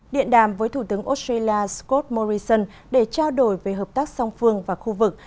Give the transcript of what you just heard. điện đàm với thủ tướng australia scott morrison để trao đổi về hợp tác song phương và khu vực